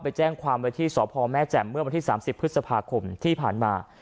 ไปแจ้งความไว้ที่สพแม่แจ่มเมื่อวันที่๓๐พฤษภาคมที่ผ่านมา